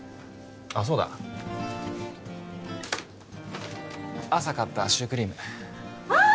あっそうだ朝買ったシュークリームあっ！